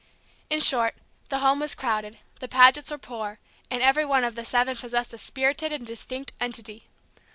In short, the home was crowded, the Pagets were poor, and every one of the seven possessed a spirited and distinct entity.